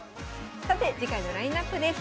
さて次回のラインナップです。